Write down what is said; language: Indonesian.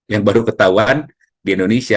yang baru ketahuan di indonesia